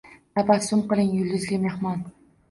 Tabassum qiling, yulduzli mehmon